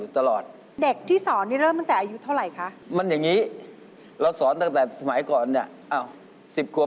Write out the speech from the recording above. ขอบคุณมาก